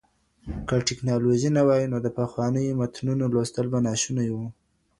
که تکنالوژي نه وای نو د پخوانیو متنونو لوستل به ناشوني وو.